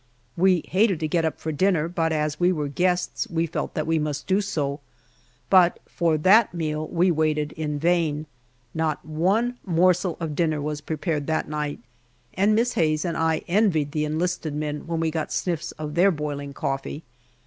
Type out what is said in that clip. We hated to get up for dinner, but as we were guests, we felt that we must do so, but for that meal we waited in vain not one morsel of dinner was prepared that night, and Miss Hayes and I envied the enlisted men when we got sniffs of their boiling coffee.